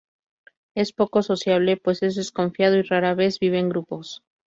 Es poco sociable, pues es desconfiado y rara vez vive en grupos.